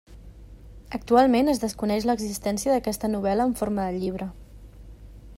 Actualment es desconeix l'existència d'aquesta novel·la en forma de llibre.